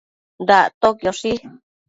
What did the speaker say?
Dactoquioshi